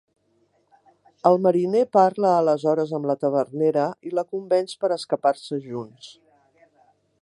El mariner parla aleshores amb la tavernera i la convenç per escapar-se junts.